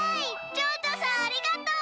ちょうちょさんありがとう！